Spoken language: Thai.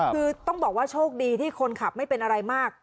คือต้องบอกว่าโชคดีที่คนขับไม่เป็นอะไรมาก